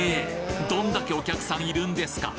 どんだけお客さんいるんですか？